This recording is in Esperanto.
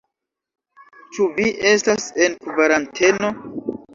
Ĉu vi estas en kvaranteno?